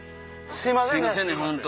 すいませんねホント。